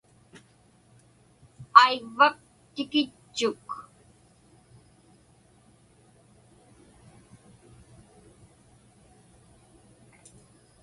Aivvak tikitchuk.